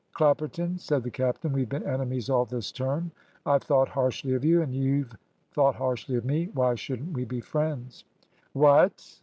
"Clapperton," said the captain, "we've been enemies all this term. I've thought harshly of you, and you've thought harshly of me. Why shouldn't we be friends?" "What!"